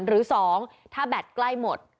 หรือ๒ถ้าแบตใกล้หมด